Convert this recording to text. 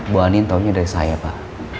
bu ani taunya dari saya pak